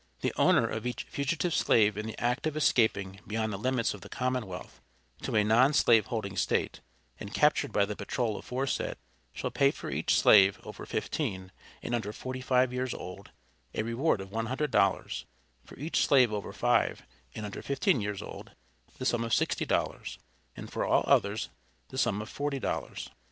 The owner of each fugitive slave in the act of escaping beyond the limits of the commonwealth, to a non slave holding state, and captured by the patrol aforesaid, shall pay for each slave over fifteen, and under forty five years old, a reward of One Hundred dollars; for each slave over five, and under fifteen years old, the sum of sixty dollars; and for all others, the sum of forty dollars.